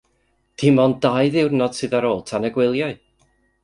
Dim ond dau ddiwrnod sydd ar ôl tan y gwyliau.